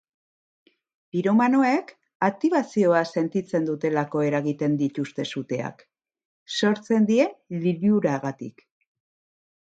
Piromanoek aktibazio bat sentitzen dutelako eragiten dituzte suteak, sortzen dien liluragatik.